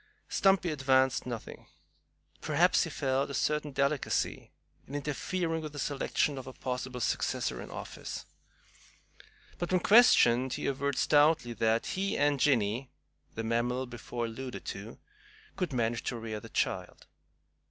Stumpy advanced nothing. Perhaps he felt a certain delicacy in interfering with the selection of a possible successor in office. But when questioned, he averred stoutly that he and "Jinny" the mammal before alluded to could manage to rear the child.